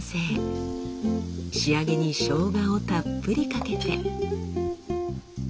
仕上げにしょうがをたっぷりかけて。